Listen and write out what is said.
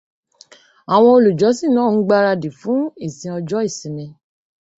Àwọn olùjọ́sìn náà ń gbaradì fún ìsìn ọjọ́ ìsinmi.